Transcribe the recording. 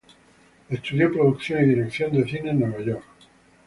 Estudió producción y dirección de cine en Nueva York.